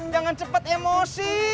jangan cepet emosi